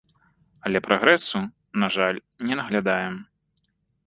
Але прагрэсу, на жаль, не наглядаем.